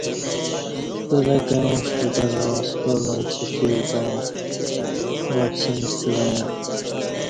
پلہ کہ اوش کوتت با سکال منچی فیل تہ اوں وپسینستہ وعیاں